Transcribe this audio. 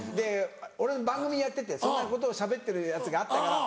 俺の番組やっててそんなことをしゃべってるやつがあったから。